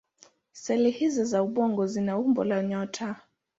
Seli hizO za ubongo zina umbo la nyota.